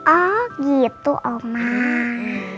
oh gitu omah